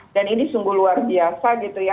dan ini sungguh luar biasa gitu ya